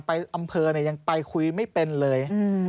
ไปอำเภอเนี่ยยังไปคุยไม่เป็นเลย